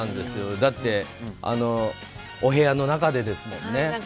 だってお部屋の中でですもんね。